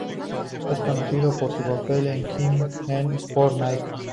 Es conocida por su papel de Kim en "Sports Night".